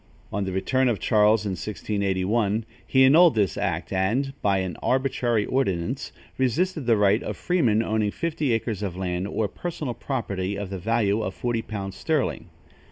On the return of Charles, in 1681, he annulled this act and, by an arbitrary ordinance, resisted the right of freemen owning fifty acres of land, or personal property of the value of forty pounds sterling.